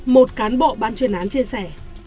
một cán bộ ban chuyên án chia sẻ